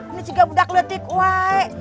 ini juga udah keletik woi